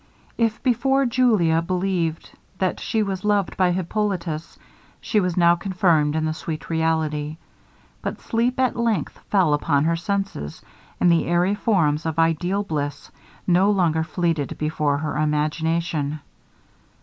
If before Julia believed that she was loved by Hippolitus, she was now confirmed in the sweet reality. But sleep at length fell upon her senses, and the airy forms of ideal bliss no longer fleeted before her imagination.